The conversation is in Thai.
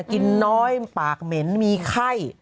กินน้อยปากเหม็นมีไข้